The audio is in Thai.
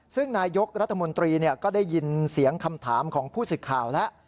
ซึ่งนายกรัฐมนตรีก็ได้ยินเสียงคำถามของผู้สื่อข่าวแล้ว